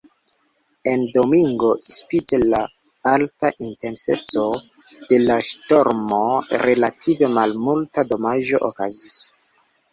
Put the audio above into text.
En Domingo, spite la alta intenseco de la ŝtormo, relative malmulta damaĝo okazis.